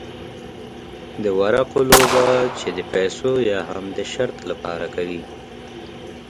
د ورقو لوبه چې د پیسو یا هم د شرط لپاره کوي.